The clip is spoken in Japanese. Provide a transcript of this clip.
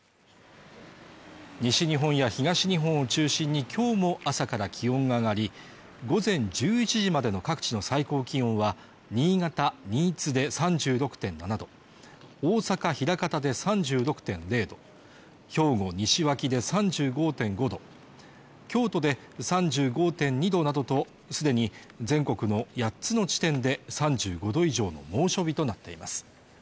西日本や東日本を中心に今日も朝から気温が上がり午前１１時までの各地の最高気温は新潟・新津で３６．７度大阪・枚方で３６．５度兵庫・西脇で３５．５度京都で３５．２度などと既に全国の８つの地点で３５度以上の猛暑日となっています